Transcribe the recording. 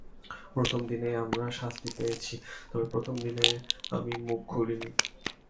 প্রথম দিনই আমরা শাস্তি পেয়েছি, তবে প্রথম দিনেই আমি মুখ খুলিনি।